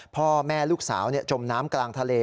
พ่อแม่ลูกสาวจมน้ำกลางทะเล